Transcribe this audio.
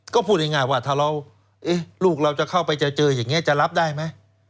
ก็พูดง่ายว่าถ้าลูกเราจะเข้าไปจะเจออย่างนี้จะรับได้ไหม